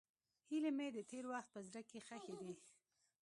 هیلې مې د تېر وخت په زړه کې ښخې دي.